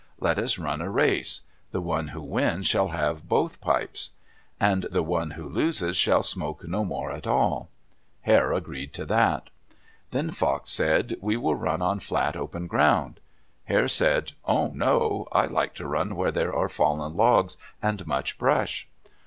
Let us run a race. The one who wins shall have both pipes; and the one who loses shall smoke no more at all." Hare agreed to that. Then Fox said, "We will run on flat, open ground!" Hare said, "Oh, no! I like to run where there are fallen logs and much brush."